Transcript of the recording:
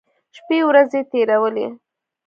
شپې ورځې تېرولې.